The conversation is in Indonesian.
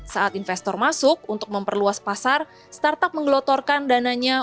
saat investor masuk untuk memperluas pasar startup menggelotorkan dananya